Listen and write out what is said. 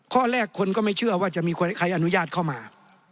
ข้อแรกคนก็ไม่เชื่อว่าจะมีใครอนุญาตเข้ามา